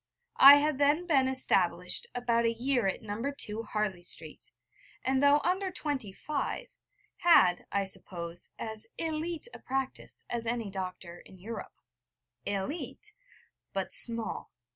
I had then been established about a year at No. II, Harley Street, and, though under twenty five, had, I suppose, as élite a practice as any doctor in Europe. Élite but small.